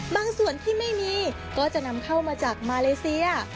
บางส่วนที่ไม่มีก็จะนำเข้ามาจากมาเลเซีย